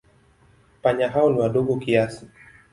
Panya hao ni wadogo kiasi.